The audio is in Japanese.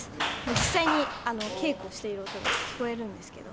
実際に稽古している音が聞こえるんですけど。